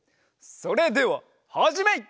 それでははじめい！